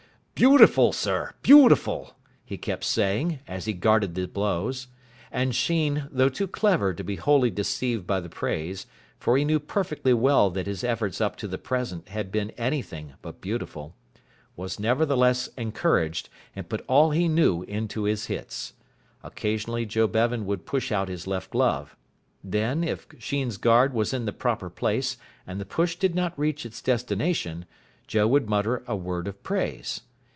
"Beautiful, sir, beautiful," he kept saying, as he guarded the blows; and Sheen, though too clever to be wholly deceived by the praise, for he knew perfectly well that his efforts up to the present had been anything but beautiful, was nevertheless encouraged, and put all he knew into his hits. Occasionally Joe Bevan would push out his left glove. Then, if Sheen's guard was in the proper place and the push did not reach its destination, Joe would mutter a word of praise.